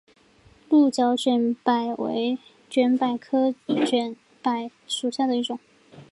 鹿角卷柏为卷柏科卷柏属下的一个种。